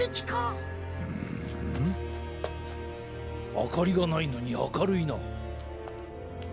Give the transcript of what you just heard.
あかりがないのにあかるいな。